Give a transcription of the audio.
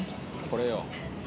これよ